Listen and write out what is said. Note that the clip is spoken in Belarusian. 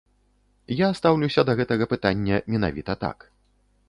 Я стаўлюся да гэтага пытання менавіта так.